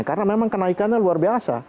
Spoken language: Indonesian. karena memang kenaikannya luar biasa